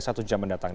untuk jaman datang